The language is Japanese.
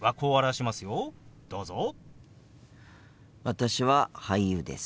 私は俳優です。